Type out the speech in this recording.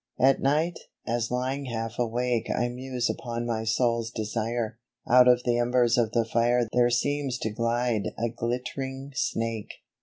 AT night, as lying half awake I muse upon my souFs desire, Out of the embers of the fire There seems to glide a glitt'ring snake.